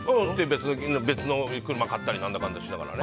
別の車買ったりなんだかんだしながらね。